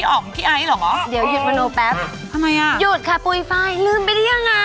โอ้ยมายก็อด